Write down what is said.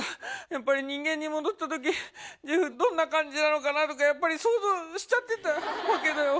やっぱり人間に戻った時ジェフどんな感じなのかなとかやっぱり想像しちゃってたわけだよ。